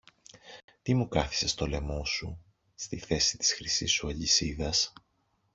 Τι μου κάθισες στο λαιμό σου, στη θέση της χρυσής σου αλυσίδας;